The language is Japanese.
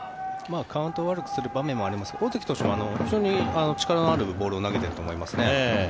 カウントを悪くする場面もありますが、大関投手は非常に力のあるボールを投げていると思いますね。